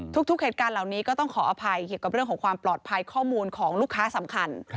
ทุกเหตุการณ์เหล่านี้ก็ต้องขออภัยเกี่ยวกับเรื่องของความปลอดภัยข้อมูลของลูกค้าสำคัญ